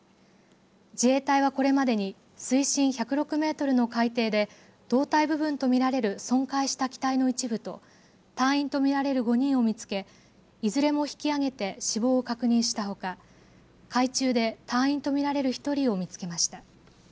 自衛隊はこれまでに水深１０６メートルの海底で胴体部分と見られる損壊した機体の一部と隊員と見られる５人を見つけいずれも引き上げて死亡を確認したほか海中で隊員と見られる１人を見つけました。